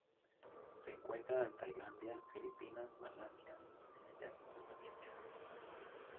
Se encuentra en Tailandia, Filipinas, Malasia, Indonesia y Nueva Guinea.